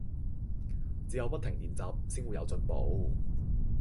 只有不停練習先會有進步